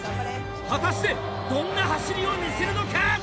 果たしてどんな走りを見せるのか？